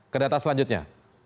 ke data selanjutnya